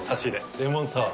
レモンサワー。